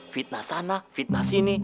fitnah sana fitnah sini